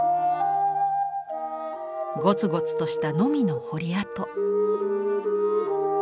ゴツゴツとしたのみの彫り跡。